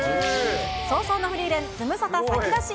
葬送のフリーレン、ズムサタ先出し！